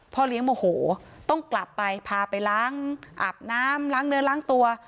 เลี้ยงโมโหต้องกลับไปพาไปล้างอาบน้ำล้างเนื้อล้างตัว